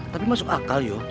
tapi masuk akal yuk